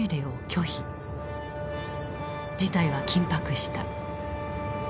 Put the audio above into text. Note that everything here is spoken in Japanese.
事態は緊迫した。